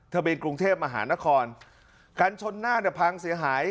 เบียนกรุงเทพมหานครคันชนหน้าเนี่ยพังเสียหาย